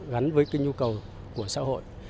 gắn với nhu cầu của xã hội